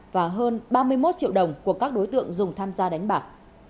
và hơn ba mươi một triệu đồng của các đối tượng dùng tham gia đánh bạc